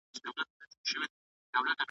نه په خوله فریاد له سرولمبو لري `